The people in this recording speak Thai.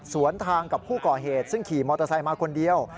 สวนทางกับผู้ก่อเหตุซึ่งขี่มอเตอร์ไซค์มาคนเดียว